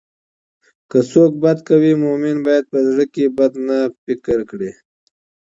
که څوک بد کوي، مؤمن باید په زړه کې بد نه فکر کړي.